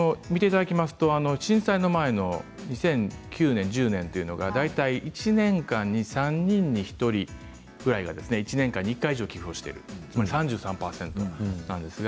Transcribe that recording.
震災の前の２００９年２０１０年というのは１年間に３人に１人ぐらいが１年間に１回以上寄付をしていて３３％ですね。